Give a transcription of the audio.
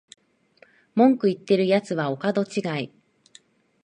文句言ってるやつはお門違い